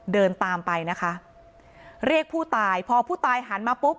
เดินตามไปนะคะเรียกผู้ตายพอผู้ตายหันมาปุ๊บ